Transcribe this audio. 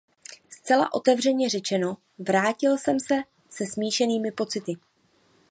Zcela otevřeně řečeno, vrátil jsem se se smíšenými pocity.